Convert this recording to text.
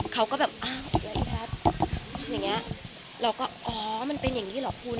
เขาก็แบบอ๋ออย่างเงี้ยเราก็อ๋อมันเป็นอย่างงี้หรอคุณ